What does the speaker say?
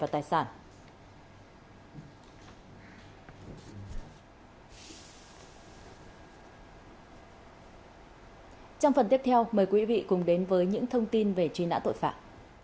trong phần tiếp theo mời quý vị cùng đến với những thông tin về truy nã tội phạm